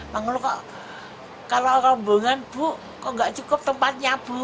bang lu kok kalau rombongan bu kok nggak cukup tempatnya bu